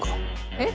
えっ！